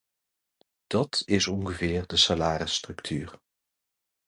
Dat is ongeveer de salarisstructuur.